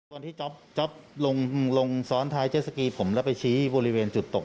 ตอนที่จ๊อปลงซ้อนท้ายเจสสกีผมแล้วไปชี้บริเวณจุดตก